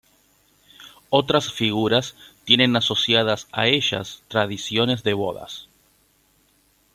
Otras figuras tienen asociadas a ellas tradiciones de bodas.